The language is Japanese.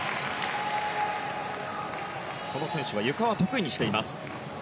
この選手はゆかは得意にしています。